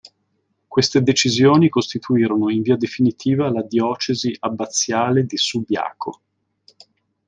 Queste decisioni costituirono in via definitiva la diocesi abbaziale di Subiaco.